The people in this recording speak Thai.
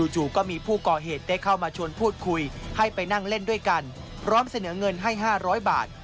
จู่ก็มีผู้ก่อเหตุได้เข้ามาชวนพูดคุยให้ไปนั่งเล่นด้วยกันพร้อมเสนอเงินให้๕๐๐บาท